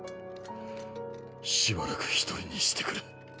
しばらく一人にしてくれ。